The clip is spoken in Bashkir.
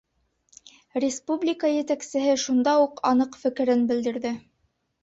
Республика етәксеһе шунда уҡ аныҡ фекерен белдерҙе.